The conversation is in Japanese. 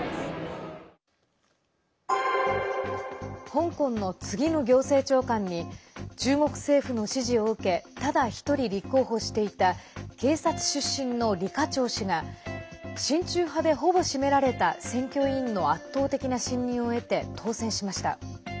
香港の次の行政長官に中国政府の支持を受けただ１人、立候補していた警察出身の李家超氏が親中派でほぼ占められた選挙委員の圧倒的な信任を得て当選しました。